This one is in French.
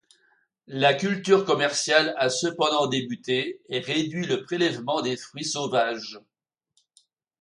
La culture commerciale a cependant débuté et réduit le prélèvement des fruits sauvages.